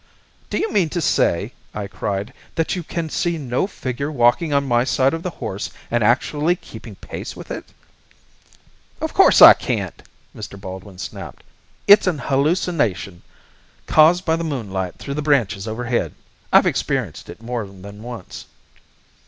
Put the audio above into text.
"Do you mean to say," I cried, "that you can see no figure walking on my side of the horse and actually keeping pace with it?" "Of course I can't," Mr. Baldwin snapped. "No more can you. It's an hallucination caused by the moonlight through the branches overhead. I've experienced it more than once."